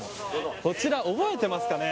こちら覚えてますかね。